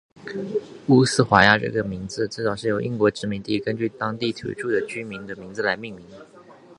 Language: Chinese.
乌斯怀亚这个名字最早是由英国殖民者根据当地土着居民的名字来命名的。